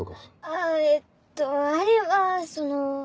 あぁえっとあれはその。